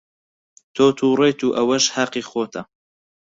تۆ تووڕەیت و ئەوەش هەقی خۆتە.